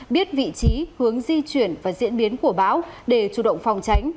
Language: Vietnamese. biết vị trí hướng di chuyển và diễn biến của bão để chủ động phòng tránh